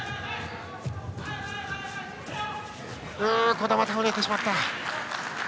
児玉、倒れてしまった。